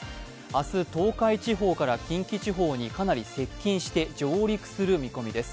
明日、東海地方から近畿地方にかなり接近して上陸する見込みです。